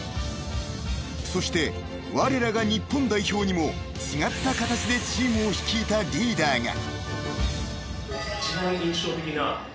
［そしてわれらが日本代表にも違った形でチームを率いたリーダーが］